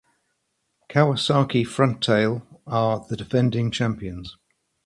Kawasaki Frontale are the defending champions.